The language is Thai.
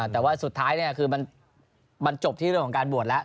แต่ว่าสุดท้ายคือมันจบที่เรื่องของการบวชแล้ว